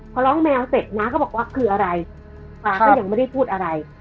พอร้องแมวเสร็จน้าก็บอกว่าคืออะไรป๊าก็ยังไม่ได้พูดอะไร